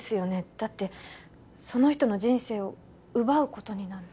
だってその人の人生を奪うことになる